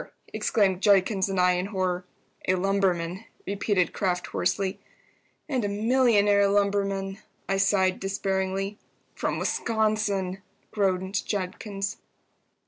exclaimed Judkins and I, in horror. "A lumberman," repeated Kraft, hoarsely. "And a millionaire lumberman!" I sighed, despairingly. "From Wisconsin!" groaned Judkins.